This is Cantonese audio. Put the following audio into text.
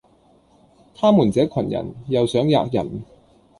他們這羣人，又想喫人，